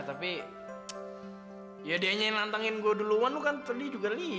tapi ya dianya yang nantangin gue duluan lu kan tadi juga liat